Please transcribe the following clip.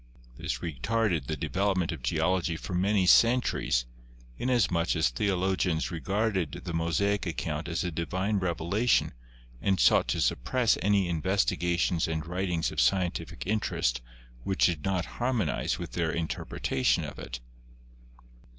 This retarded the develop ment of Geology for many centuries, inasmuch as theolo gians regarded the Mosaic account as a divine revelation and sought to suppress any investigations and writings of scientific interest which did not harmonize with their in terpretation of it.